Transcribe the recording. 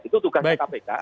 itu tugasnya kpk